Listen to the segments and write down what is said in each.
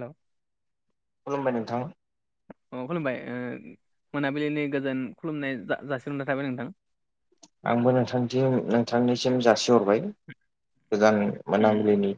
हेल' खुलुमबाय नोंथां। अ खुलुमबाय मोनाबिलिनि गोजोन खुलुमनाय जा जासिहरनाय थाबाय नोंथां। आंबो नोंथांथि नोंथांनिसिम जासिहरबाय गोदान उम मोनाबिलिनि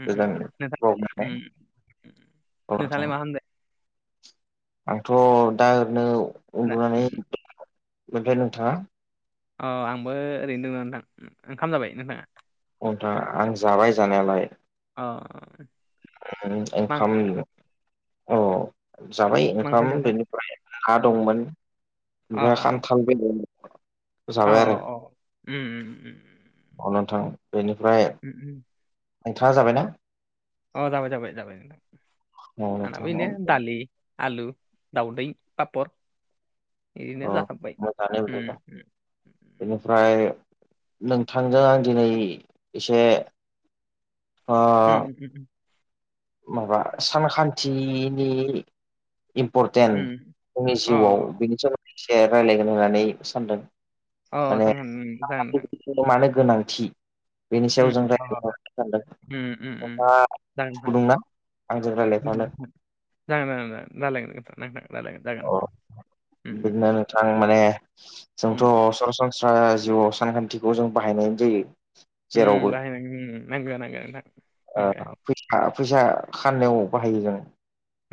उम उम गोजान [unintelligible] नोंथां उम उम। नोंथाङालाय मा खालामदों आंथ' दा ओरैनो दा उन्दुनानै उम। मोनबाय नोंथाङा अ आंबो ओरैनो दं नोंथां ओंखाम जाबाय नोंथाङा? हथाङ आं जाबाय जानायालाय अ मा ओंखाम ओंख्रि औ जाबाय मा ओंख्रि ओंखाम जाखो बेनिफ्राय हा अ दंमोन ओमफ्राय खान्थाल [unintelligible] अ अ अ उम उम अ नोंथां बेनिफ्राय उम उम नोंथाङा जाबाय ना? अ जाबाय जाबाय जाबाय औ आं नोंथां बेनो दालि। आलु दाउदै पपार इदिनो अ जासाबबाय ओमफ्राय नोंथांजों आं दिनै एसे ओ [unintelligible] माबा सानखान्थिनि इम्पर्टेन्ट उम। जोंनि जिउआव अ बेनि सोमोन्दै एसे रायलायगोन होननानै सानदों अ सानखान्थि जागोन नोंथां जोंनो मानो गोनांथि बेनि सायाव उम जों अ रायलायलांनो सानदों उम उम उम नोंथाङा जागोन नोंथां गुदुंना आंजों उम, रायलायफानो नोंथां। जागोन जागोन जालायगोन नोंथां [unintelligible] अ उम उम बिदिनो नोंथां माने जोंथ' उम उम सरासन स्रा जिउआव सानखान्थिखौ जों बाहायनाय जायो जेरावबो उम बाहायनां [unintelligible] नोंगो नोंगो नोंगो नोंथां ओ नोंगो फैसा खानायाव बाहायो जों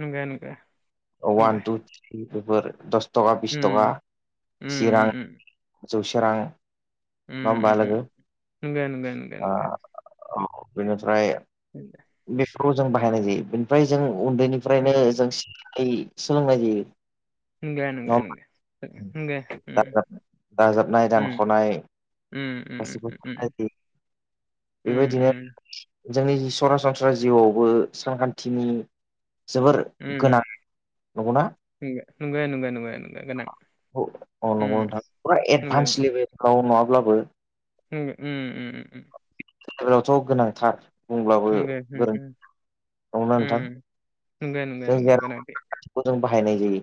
नंगो नंगो नंगो वान टु [unintelligible] दस थका बिस थखा उम जि उम रां उम जौसे रां उम होमबा उम लोगो नोंगो नोंगो नोंगो ओ नोंगो औ बिनिफ्राय [unintelligible] बेफोराव जों बाहायनाय जायो बेनिफ्राय जों उन्दैनिफ्रायनो जों [unintelligible] सोलोंनाय जायो नंगो नंगो नङा नंगो नंगो उम उम होमबा दाजाबनाय दानख'नाय उम उम गासिबो उम उम [unintelligible] उम बेबायदिनो जोंनि सरासनस्रा जिउआवबो सानखान्थिनि जोबोर नोंगो गोनां नंगौना नोंगो नोंगो नोंगो गोनां औ नंगौ उम नोंथां फुरा नंगो एडभान्स नंगो लेभेलाव नङाब्लाबो [unintelligible] [unintelligible] लावथ' गोनांथार बुंब्लाबो नंगो उम गोरोन्थि उम [unintelligible] नंगौ ना नोंथां नोंगो नोंगो नोंगो गोनांथि खौ जों बाहायनाय जायो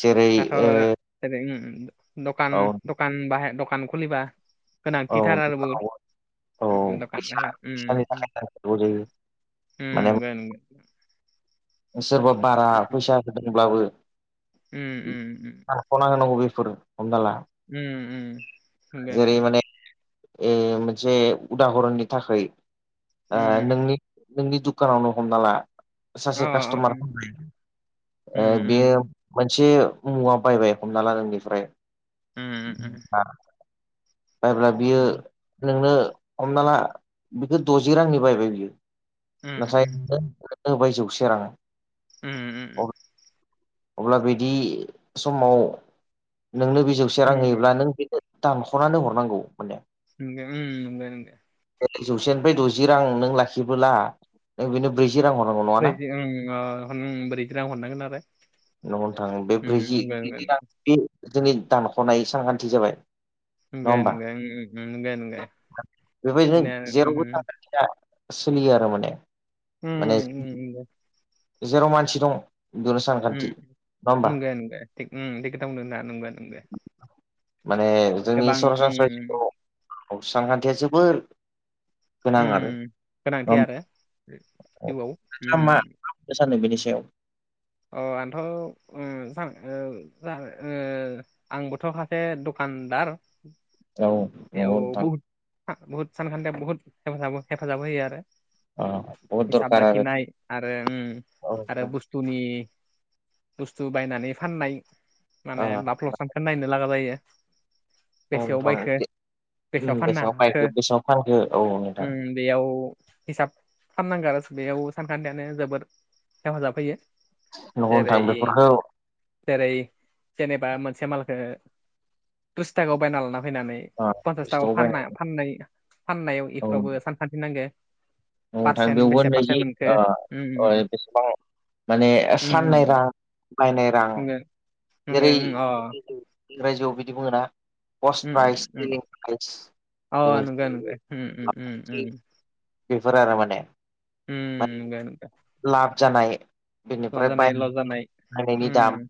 जेरै दाथ' आरो ओरै दखान ओ औ द खान बाहाय दखान खुलिबा गोनांथिथार औ आरो दखानाव औ दखान फैसा फैसानि नांगो थाखाय नांथारगौ जायो माने नंगो नंगो सोरबा बारा फैसा होदोंब्लाबो उम उम खना होनांगौ बेफोर हमना ला उम उम नोंगो जेरै नोंगो माने ए मोनसे उदाहरननि थाखाय उम उम, नोंनि नोंनि दुखानावनो हमना ला अ सासे कास्ट'मार उम [unintelligible] बे उम मोनसे मुवा बायबाय हमना ला नोंनिफ्राय उम उम बायब्ला बियो उम नोंनो हमना ला बिखो द'जि रांनि बायबाय बियो उम नाथाय [unintelligible] होबाय जौसेे रां उम अब्ला अब्ला बिदि समाव नोंनो बि जौ से रां उम होयोब्ला नों बेखौ दानख'नानै हरनांगौ माने नोंगो उम नोंगो नोंगो जौसेनिफ्राय द'जि रां नों लाखिबोला नों बेनो ब्रैजि रां हरनांगौ नङा ना [unintelligible] ब्रैजि रां हरनांगोन आरो नंगौ नोंथां बे उम ब्रैजि नंगौ नंगौ ब्रैजि रां बि जोंनि दानख'नाय सानखान्थि जाबाय नङा नोंगो होमबा नोंगो उम नोंगो नोंगो बेबायदिनो बेनो आरो जेरावबो उम [unintelligible] सोलियो आरो माने माने उम उम दे जेराव मानसि दङ उम नंगो नंगो थिग उम थिग खोथा बुंदो नोंथाङा नंगो नंगो। माने जोंनि सरासनस्राय जिवाव सानखान्थिया जोबोर गोनां आरो उम नङा गोनांथि होमबा? आरो जिउआव नोंथाङा उम मा सानो बिनि सायाव अ आंथ' उम [unintelligible] आंबोथ' सासे दखानदार औ नंगौ बेयाव नोंथां बुहुत बुहुत सानखान्थियाव बुहुत हेफाजाब हेफाजाब होयो आरो। बहुद हिसाब दरखार आरो लाखिनाय आरो उम औ आरो नोंथां बुस तुनि बुस्तु बायनानै फाननाय ओ माने बफ्लस सानखो नायनो लागा जायो औ बेसेयाव नोंथां बायखो बेसेयाव उम फाननो बेसेङाव हाखो बायखो बेसेङाव फानखो औ नोंथां उम बेयाव हिसाब खालामनांगो आरो बेयाव सानखान्थियानो जोबोर हेफाजाब होयो नंगौ जेरै नोंथां बेफोरखौ जेरै जेनेबा मोनसे मालखौ ट्रिस थाखायाव बायना लाना फैनानै ओ फन्सास थाखा स्ट'आव बायनाय फाननो फाननाय फाननायाव इफोरावबो नंगौ सानखान्थि नांगो। औ नोंथां पारसेन्ट बेयावबो बेसे पारसेन्ट नैजि मोनखो ओ ओ उम बेसेबां माने उम साननाय रां बायनाय रां नंगौ जेरै नंगौ इंराजियाव बिदि बुङोना पस्ट प्राइज सेलिं प्राइज औ नंगो नंगो उम उम उम बेफोर आरो माने उम माने नंगो नंगो लाब जानाय लाब बेनिफ्राय बाय जानाय लस जानाय बायनायनि दाम उम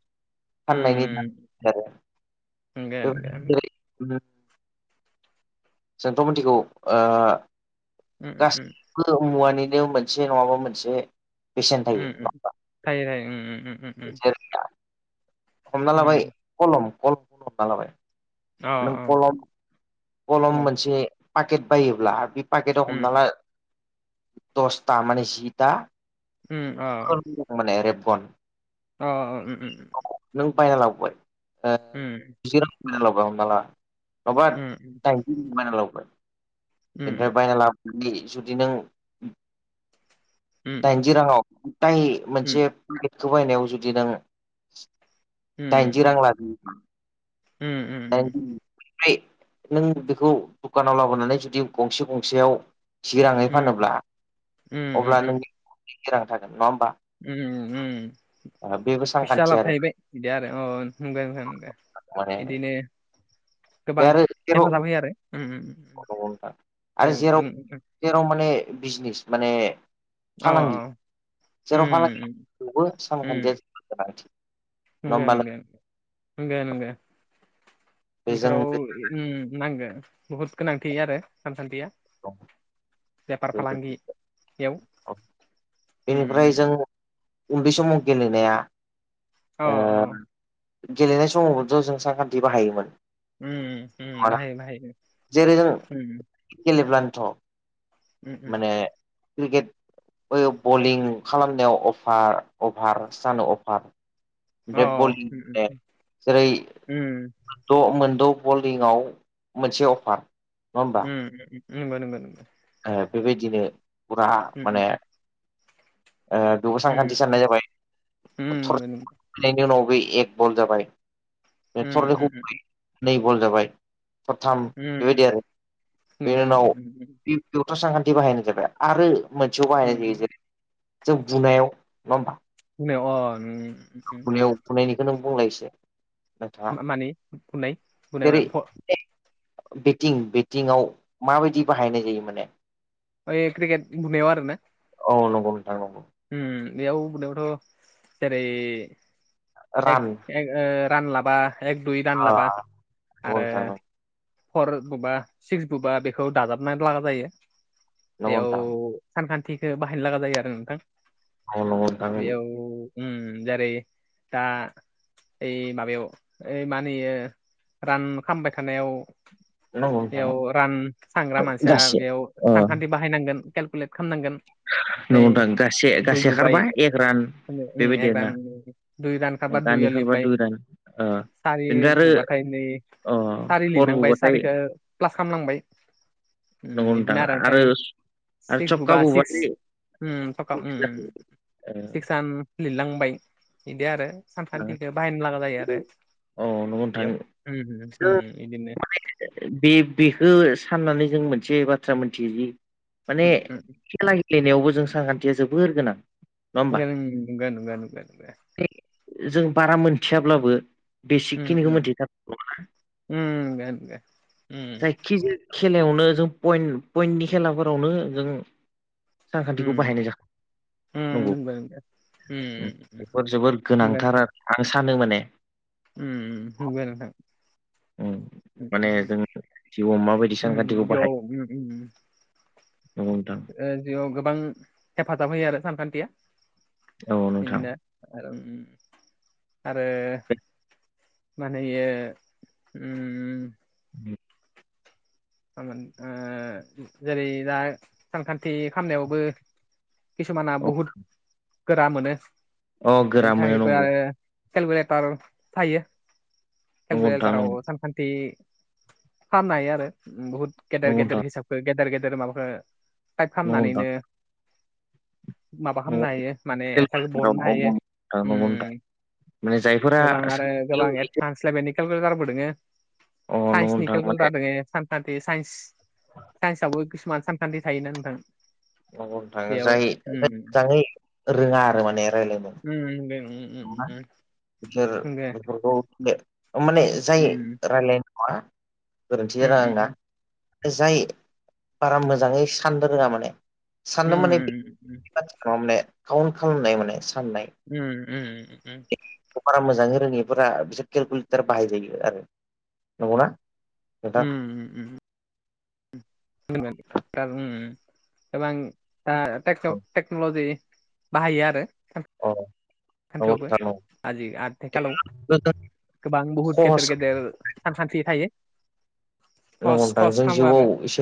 उम फाननायनि दाम आरो नंगो नंगो उम [unintelligible] जोंथ' मिथिगौ ओ उम गासैबो मुवानिनो मोनसे नङाबा मोनसे बेसेन थायो उम उम थायो थायो उम उम उम उम जेरै हमना लाबाय उम कलम कलमखौनो हमना लाबाय अ नों कलम कलम खलम मोनसे पाकेट बायोब्ला बे पाकेटाव हमना उम ला दसथा माने जिथा उम अ खोलोम दं माने रेबगन। अ उम उम उम नों बायना लाबोबाय ओ जेराव बायना लाबोआ हमना ला [unintelligible] उम दाइन होना बायना लाबोबाय उम बेनिफ्राय बायना लाबोनानै जुदि नों उम उम दाइनजि राङाव ताय उम मोनसे पेकेटखौ बायनायाव जुदि नों दाइजि रां उम लाबोयोबा [unintelligible] उम उम दायनजि [unintelligible] फ्राय नों बेखौ दुकानाव लाबोनानै जुदि गंसे गंसेयाव जि राङै फानोब्ला अब्ला उम नोंनि नैजि रां थागोन नङा ओमबा? उम उम बेबो सा एसेया लाब फाबाय बिदि आरो अ नंगो नोंथां नंगो माने इदिनो बे गोबां आरो जेराव हेफाजाब होयो आरो उम उम नंगौ नोंथां आरो औ जेराव उम उम जेराव माने बिजनिस माने अ फालांगि जेराव फालांगि उम बेयावबो सानखान्थिया उम जोबोद गोनांथि। नङा नंगो होमबा नंगो नंगो नंगो बेजों इफोराव उम नांगो बुहुद गोनांथि आरो सानखान्थिया। औ बेफार फालांगियाव। बेनिफ्राय जों उन्दै समाव गेलेनाया अ गेलेनाय समावबोथ' जों सानखान्थि बाहायोमोन ओ ओ बाहायो बाहायो जेरै जों गेलेब्लानोथ' उम माने क्रिकेट बै बलिं खालामनायाव अफार अफार सानो अफार अ बे बलिं उम माने जेरै उम द' मोनद' बलिंआव मोनसे अफार नङा होमबा ओ नंगौ नंगौ नंगौ ओ बेबायदिनो फुरा माने उम बेबो उम सानखान्थि साननाय जाबाय [unintelligible] उम नंगौ नंगौ फैनायनि उनाव बे एक बल जाबाय बे थरनैखौ उम नै बल जाबाय थरथाम उम बेबायदि आरो उम बेनि नंगौ उनाव नंगौ बे [unintelligible] सानखान्थि बाहायनाय जाबाय आरो मोनसेयाव बाहायनाय जायो उम जेरै जों बुनायाव नङा होमबा बुनायाव अ नों बुनायाव बुनायनिखौ नों बुंलायसै मानि बुनाय बुनाय जेरै मा [unintelligible] बेटिं बेटिंआव माबायदि बाहायनाय जायो माने ओ क्रिकेट बुनायाव आरो ना औ नंगौ नोंथां नंगौ ओ बेयाव बुनायावथ' जेरै एक रान एक रान लाबा एक दुइ अ रानलाबा नंगौ आरो नोंथां फर बुबा सिक्स बुबा बेखौ दाजाबनानै लागा जायो नंगौ बेयाव नोंथां सानखान्थिखौ बाहायनो लागा जायो आरो नोंथां औ नंगौ नोंथां बेयाव जेरै दा ओइ माबायाव ओइ मा होनो इयो रान खामबाय थानायाव नंगौ नोंथां बेयाव रान सानग्रा मानसिया गासै बेयाव अ नंगौ सानखान्थि बाहायनांगोन केलकुलेट खालामनांगोन नै नोंथां गासे दुइ गासे बुबाय खारबा एक रान बेबायदि एक आरोना रान रान खारबा दानि दुइयाव खारबा लिरबाय दुइ रान ओ सारि बेनिफ्राय आरो बुबाथाय नै अ सारि फर लिरनांबाय बुबाथाय सारिखौ प्लास खालामनांबाय ओ नंगौ नोंथां बिदिनो आरो ओमफ्राय आरो सिक्स सखखा बुबा सिक्स बुबाथाय ओ थरथाम ओ सिक्स जायो। सिक्सान लिरलांबाय बिदि आरो सानखान्थिखौ बाहायनो लागा जायो आरो ओ औ नंगौ बेयाव नोंथां बिदिनो बे बेखौ साननानै जों मोनसे बाथ्रा मिथियो जि माने उम उम खेला गेलेनायावबो जों सानखान्थिया जोबोर गोनां नङा ओ होमबा नंगौ नंगौ नंगौ जों बारा मोनथियाब्लाबो ओ बेसिकखिनिखौ ओ मोनथिथारगौ नङा। ओ नंगौ नंगौ उम जायखिजाया खेलायावनो जों पइन्ट पइन्टनि खेलाफोरावनो जों सानखान्थिखौ उम बाहायनाय जाखा नंगौ उम बेफोर जोबोर नंगौ नोंथां गोनांथार आरो आं सानो माने उम नंगौ नोंथां माने जोंनि जिउआव माबायदि ओ सानखान्थिखौ बेयाव बाहायो ओ ओ नंगौ नोंथां जिउआव गोबां हेफाजाब होयो आरो सानखान्थिया औ नोंथां बिदिनो आरो आरो माने इयो ओ [inaudible] मोनो जेरै दा सानखान्थि खालामनायावबो किसुमाना बहुद गोरा मोनो। अ गोरा बेनि मोनो थाखायबो नंगौ आरो केलकुलेटार थायो। नंगौ नोंथां केलकुलेताराव नंगौ सानखान्थि खालामनो हायो आरो बहुत गेदेर नंगौ गेदेर नोंथां हिसाब। गेदेर गेदेर माबाखौ साइद नंगौ नोंथां खामनानैनो माबा नंगौ खालामनो हायो। माने औ एनसार बहननो नंगौ हायो। नोंथां नंगौ नोंथां माने जायफोरा गोबां आरो गोबां साख्रियाव एसे एडभान्स लेबेलनि केेलकुलेटारबो दोङो। अ नंगौ साइनसनि नोंथां माने केलकुलेतार दोंङो सा नखान्थि साइन्सआवबो किसुमान सानखान्थि थायोना नोंथां। नंगौ नोथां जाय जाय मोजाङै रोङा आरो माने रायलायनो। उम दे उम उम नंगौना उम। बिसोर बेफोरखौ माने जाय रायलायनाय नङा। गोरोन्थि जादों आंना। जाय बारा मोजाङै साननो रोङा माने। साननो माने बे बाथ्रा माने काउन्ट खालामनाय माने साननाय। उम उम उम बारा मोजाङै रोङिफोरा बिसोर केलकुलेटार बाहायजायो आरो नंगौना? नोंथां उम उम [unintelligible] टेक्न'लजि बाहायो आरो। अ नंगौ सानथायावबो नोंथां आजि आथिखालाव नंगौ गोबां बहुद गेदेर खहस गेदेर सानखान्थि थायो। नंगौ खस नोंथां खस जों खामो आरो। जिउआव एसे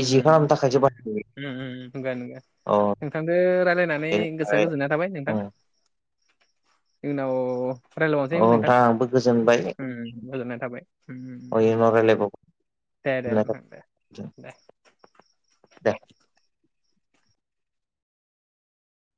ओम इजि खालामनो थाखायसो बाहायो ओम उम उम नोंगो नोंगो। अ नोंथांदो रायलायनानै गोसोआ बेनिफ्राय गोजोननाय थाबाय उम नोंथां। उनाव रायलायबाव'नोसै औ नोंथां आंबो गोजोनबाय ओम गोजोननाय थाबाय ओम ओम। उनाव रायलायबावगोन दे दे होननाय नोंथां दे थाबाय दे। दे